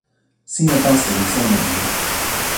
sina taso li sona e mi.